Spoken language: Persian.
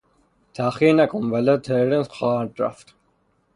تاخیر نکن والا ترن خواهد رفت.